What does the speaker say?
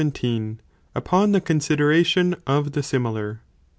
—Upon the Consideration of the Similar?